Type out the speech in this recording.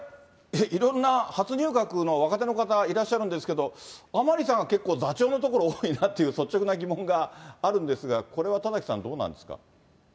いろんな初入閣の若手の方いらっしゃるんですけど、甘利さんが結構、座長のところ、多いなという率直な疑問があるんですが、これは田崎さん、どうなんですか？